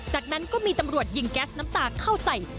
จากนั้นก็มีตำรวจยิงแก๊สน้ำตาเข้าใส่